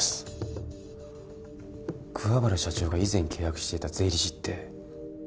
桑原社長が以前契約していた税理士って。